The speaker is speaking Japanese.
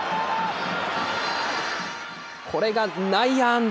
これが内野安打。